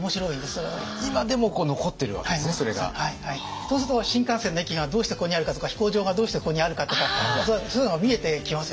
そうすると新幹線の駅がどうしてここにあるかとか飛行場がどうしてここにあるかとかそういうのが見えてきますよね。